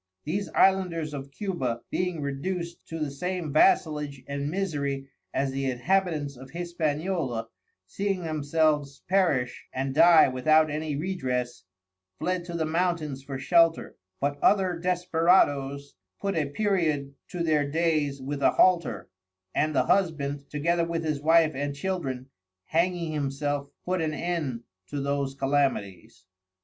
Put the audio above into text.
These Islanders of Cuba, being reduc'd to the same Vasselage and Misery as the Inhabitants of Hispaniola, seeing themselves perish and dy without any redress, fled to the Mountains for shelter, but other Desperado's, put a period to their days with a Halter, and the Husband, together with his Wife and Children, hanging himself, put an end to those Calamities.